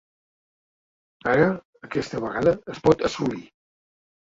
Ara, aquesta vegada, es pot assolir.